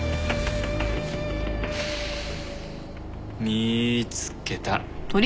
見つけた。